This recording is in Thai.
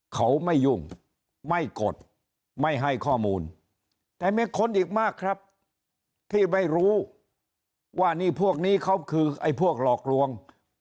เขาไม่ยุ่ง